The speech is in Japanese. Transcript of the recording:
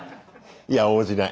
いや応じない。